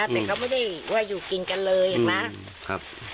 แต่เขาไม่ได้ว่าอยู่กินกันเลยนะครับ